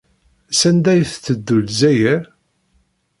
S anda i tetteddu Lezzayer?